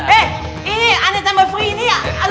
eh ini aneh tambah free ini